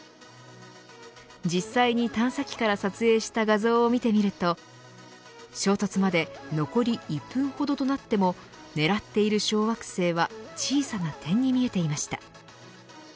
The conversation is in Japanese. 実際に探査機から撮影した画像を見てみると衝突まで残り１分程となっても狙っている小惑星は小さな点に見えていました。